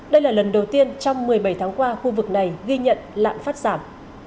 đây là lần đầu tiên trong một mươi bảy tháng qua khu vực này ghi nhận lạm phát giảm